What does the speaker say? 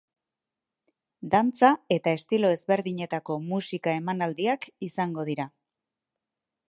Dantza eta estilo ezberdinetako musika emanaldiak izango dira.